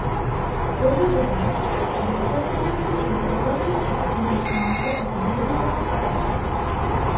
Although damaged, the tabernacle is the earliest extant example of Berneval's style.